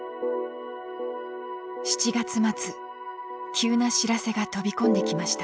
急な知らせが飛び込んできました。